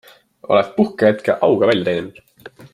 Oled puhkehetke auga välja teeninud.